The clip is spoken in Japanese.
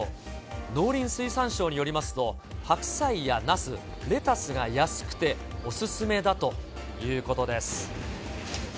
農林水産省によりますと、白菜やナス、レタスが安くてお勧めだということです。